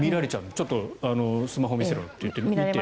ちょっとスマホ見せろって言って見られる？